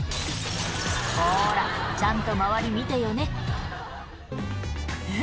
ほらちゃんと周り見てよねえっ